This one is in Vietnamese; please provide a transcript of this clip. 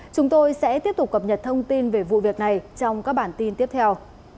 chúng tôi sẽ tiếp tục cập nhật thông tin về vụ việc này trong các bản tin tiếp theo